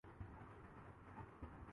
اور وقت گزرنا اور درجن دورہ ذرائع ہونا